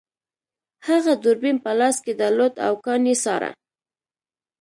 هغه دوربین په لاس کې درلود او کان یې څاره